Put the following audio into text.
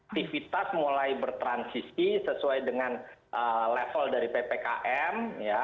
aktivitas mulai bertransisi sesuai dengan level dari ppkm